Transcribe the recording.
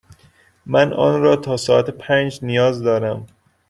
من آن را تا ساعت پنج نیاز دارم.